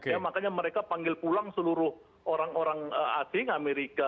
ya makanya mereka panggil pulang seluruh orang orang asing amerika